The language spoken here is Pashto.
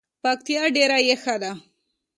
پکتیا ډیره یخه ده